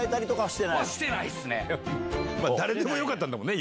誰でもよかったんだもんね